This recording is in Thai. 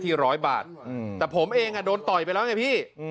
ร้อยบาทแต่ผมเองโดนต่อยไปแล้วไงพี่